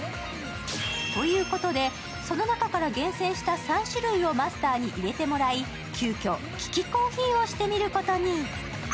ということで、その中から厳選した３種類をマスターにいれていただき急きょ、利きコーヒーをしてみることに。